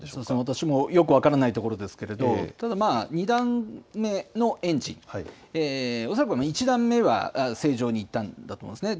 私もよく分からないところですけれども、ただ、２段目のエンジン、恐らく１段目は正常にいったんだと思うんですね。